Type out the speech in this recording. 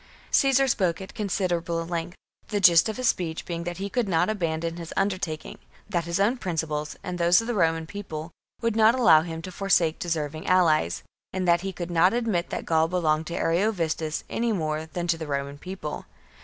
45. Caesar spoke at considerable length, the gist of his speech being that he could not abandon his undertaking ; that his own prin ciples and those of the Roman People would not allow him to forsake deserving allies ; and that he could not admit that Gaul belonged to Ariovistus any more than to the Roman People.